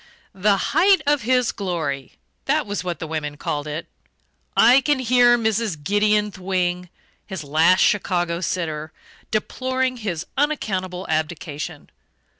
"The height of his glory" that was what the women called it. I can hear Mrs. Gideon Thwing his last Chicago sitter deploring his unaccountable abdication.